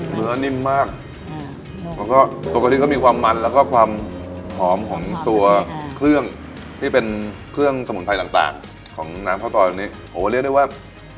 เนื้อนิ่มมากแล้วก็ตัวกะทิก็มีความมันแล้วก็ความหอมของตัวเครื่องที่เป็นเครื่องสมุนไพรต่างต่างของน้ำข้าวซอยตรงนี้โอ้เรียกได้ว่า